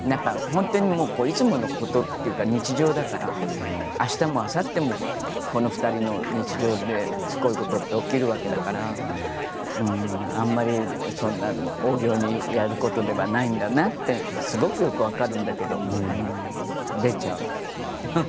いつものことというか日常だからあしたも、あさってもこの２人の日常ってそういうことが起きるわけだからあまりそんな大仰にやることではないんだなってすごく分かるんだけど出ちゃう。